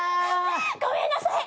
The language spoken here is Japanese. ごめんなさい！